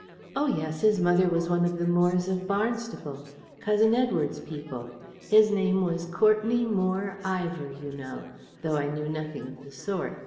Oh, yes, his mother was one of the Moores of Barnstaple, cousin Edward's people. His name was Courtenay Moore Ivor, you know though I knew nothing of the sort.